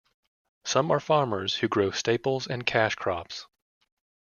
Some are farmers who grow staples and cash crops.